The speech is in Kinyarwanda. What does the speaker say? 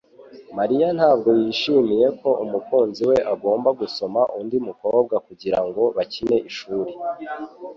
Mariya ntabwo yishimiye ko umukunzi we agomba gusoma undi mukobwa kugirango bakine ishuri.